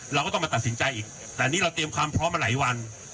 เราก็ต้องมาตัดสินใจอีกแต่อันนี้เราเตรียมความพร้อมมาหลายวัน